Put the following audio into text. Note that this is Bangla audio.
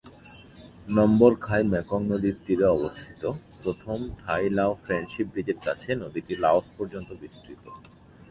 নম্বর খাই মেকং নদীর তীরে অবস্থিত, প্রথম থাই-লাও ফ্রেন্ডশিপ ব্রিজের কাছে, নদীটি লাওস পর্যন্ত বিস্তৃত।